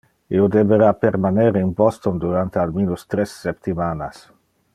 Io debera permaner in Boston durante al minus tres septimanas.